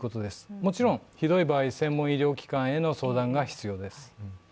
もちろんひどい場合、専門医療機関への相談が必要です。